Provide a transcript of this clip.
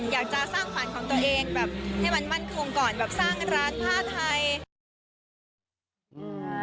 อยากจะสร้างฝันของตัวเองแบบให้มันมั่นคงก่อนแบบสร้างร้านผ้าไทย